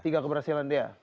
tiga keberhasilan dia